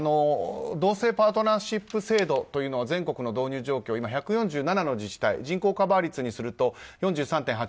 同性パートナーシップ制度の全国の導入状況、１４７の自治体人口カバー率にすると４３．８％。